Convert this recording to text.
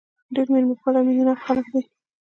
ډېر مېلمه پاله او مینه ناک خلک دي.